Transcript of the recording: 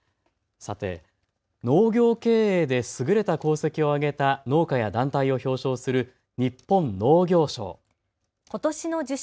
さて農業経営で優れた功績をあげた農家や団体を表彰する日本農業賞。